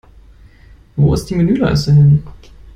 Wo ist die Menüleiste hin?